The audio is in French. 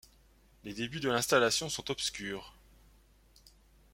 Les débuts de l'installation sont obscurs.